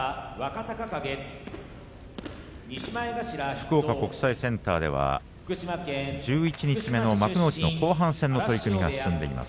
福岡国際センターでは十一日目、幕内の後半戦の取組が進んでいます。